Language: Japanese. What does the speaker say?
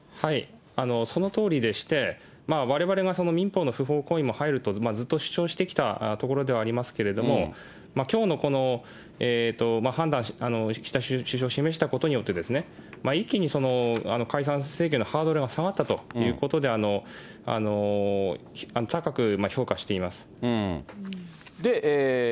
そのとおりでして、われわれが民法の不法行為も入ると、ずっと主張してきたところではありますけれども、きょうのこの判断した、趣旨を示したことによって、一気に解散請求のハードルが下がったということで、高く評価しています。